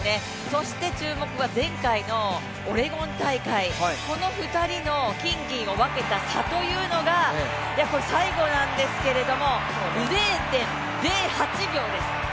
そして注目は前回のオレゴン大会、この２人の金・銀を分けた差というのが、最後なんですけれども、０．０８秒です。